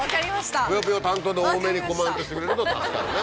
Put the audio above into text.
そうぷよぷよ担当で多めにコメントしてくれると助かるね。